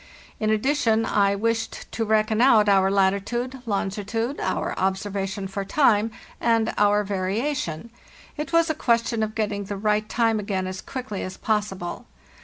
In addition, I wished to reckon out our latitude, longitude, our observation for time, and our variation; it was a question of getting the nght time again as quickly as possible.